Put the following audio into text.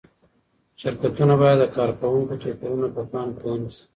شرکتونه باید د کارکوونکو توپیرونه په پام کې ونیسي.